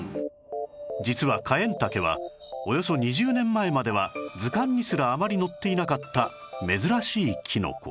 実はカエンタケはおよそ２０年前までは図鑑にすらあまり載っていなかった珍しいキノコ